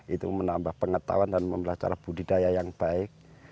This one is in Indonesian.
itu menambah pengetahuan dan mempelajari budidaya yang baik